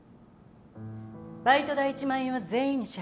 バイト代１万円は全員に支払います。